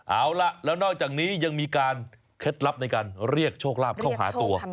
เอาล่ะแล้วนอกจากนี้ยังมีการเคล็ดลับในการเรียกโชคลาภเข้าหาตัว